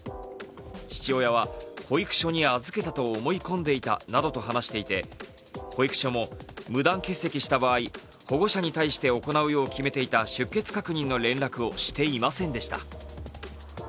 父親は保育所に預けたと思い込んでいたなどと話していて保育所も無断欠席した場合、保護者に対して行うよう決めていた出欠確認の連絡をしていませんでした。